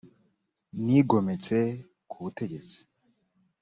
nigometse ku butegetsi